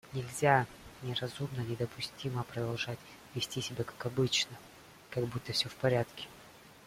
Нельзя, неразумно недопустимо продолжать вести себя как обычно, как будто все в порядке.